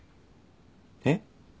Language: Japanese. えっ？